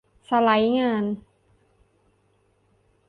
สไลด์งาน